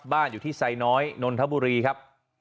บ้านอยู่ที่ไซน้อยนนทบุรีครับ